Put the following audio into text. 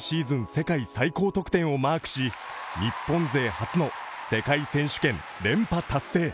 世界最高得点をマークし、日本勢初の世界選手権連覇達成。